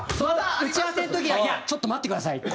打ち合わせの時には「いやちょっと待ってください」